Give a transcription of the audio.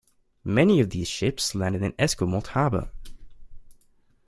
Many of these ships landed in Esquimalt Harbour.